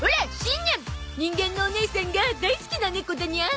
人間のおねいさんが大好きな猫だニャン